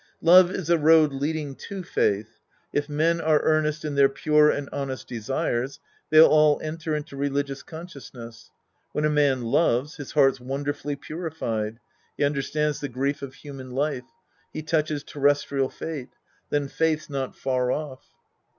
Love is a road leading to faith. If men are earnest in their pure and honest desires, they'll all enter into religious consciousness. When a man loves, his heart's wondrously purified. He under stands the grief of human life. He touches terrestrial fate. Then faith's not far off.